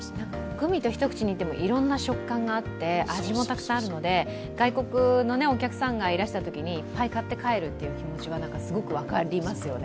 グミと一口に言ってもいろんな食感があって味もたくさんあるので、外国のお客さんがいらしたときにいっぱい買って帰るって気持ちがすごく分かりますよね。